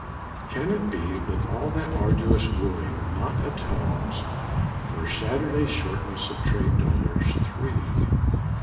Can it be That all that arduous wooing not atones For Saturday shortness of trade dollars three?